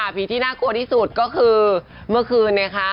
ผีที่น่ากลัวที่สุดก็คือเมื่อคืนนะคะ